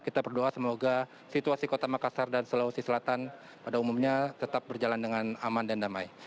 kita berdoa semoga situasi kota makassar dan sulawesi selatan pada umumnya tetap berjalan dengan aman dan damai